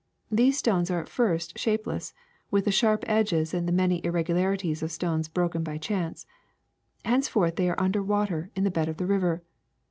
These stones are at first shape less, with the sharp edges and the many irregulari ties of stones broken by chance. Henceforth they are under water in the bed of the river.